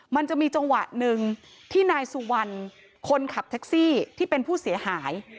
มันจะมีจังหวะหนึ่งที่นายสุวรรณคนขับแท็กซี่ที่เป็นผู้เสียหาย